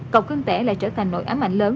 cầu cưng tẻ lại trở thành nội ám ảnh lớn